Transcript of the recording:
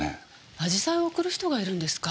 紫陽花を贈る人がいるんですか？